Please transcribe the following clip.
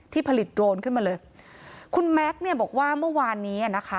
ผลิตโดรนขึ้นมาเลยคุณแม็กซ์เนี่ยบอกว่าเมื่อวานนี้อ่ะนะคะ